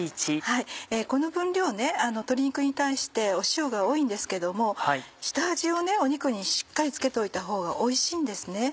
この分量鶏肉に対して塩が多いんですけども下味を肉にしっかりつけといたほうがおいしいんです。